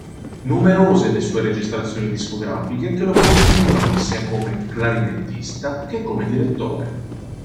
Numerose le sue registrazioni discografiche che lo configurano sia come clarinettista che come direttore.